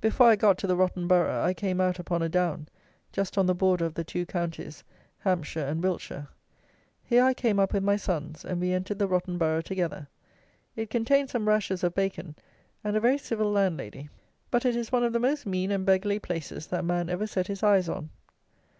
Before I got to the rotten borough, I came out upon a Down, just on the border of the two counties, Hampshire and Wiltshire. Here I came up with my sons, and we entered the rotten borough together. It contained some rashers of bacon and a very civil landlady; but it is one of the most mean and beggarly places that man ever set his eyes on.